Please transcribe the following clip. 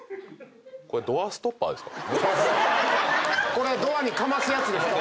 これドアにかますやつですか？